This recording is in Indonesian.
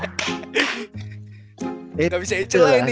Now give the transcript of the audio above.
gak bisa dicela ini